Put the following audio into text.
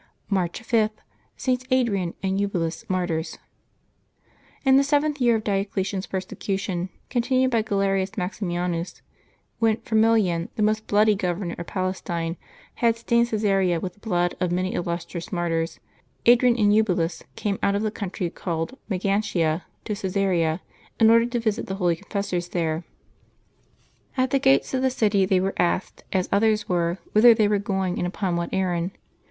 March 5.— STS. ADRIAN and EUBULUS, Martyrs. '^TT'n" the seventh year of Diocletian's persecution, con ^*^ tinned by Galerius Maximianus, when Firmilian, the most bloody governor of Palestine, had stained Csesarea with the blood of many illustrious martyrs, Adrian and Eubulus came out of the country called Magantia to Caesarea, in order to visit the holy confessors there. At the gates of the city they were asked, as others were, whither they were going, and upon what errand.